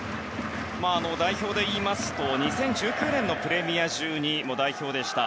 代表でいいますと２０１９年のプレミア１２も代表でした。